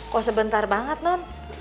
kok sebentar banget non